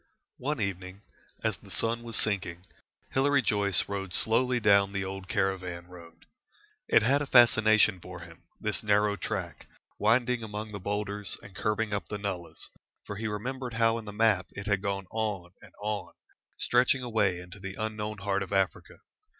One evening, as the sun was sinking, Hilary Joyce rode slowly down the old caravan road. It had a fascination for him, this narrow track, winding among the boulders and curving up the nullahs, for he remembered how in the map it had gone on and on, stretching away into the unknown heart of Africa.